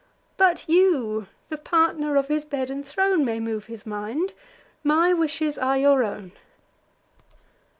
But you, the partner of his bed and throne, May move his mind; my wishes are your own."